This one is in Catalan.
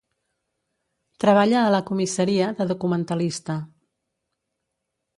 Treballa a la comissaria de documentalista.